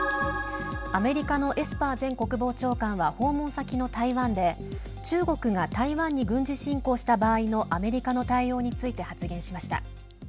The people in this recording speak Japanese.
アメリカのエスパー前国防長官は訪問先の台湾で中国が台湾に軍事侵攻した場合のアメリカの対応について発言しました。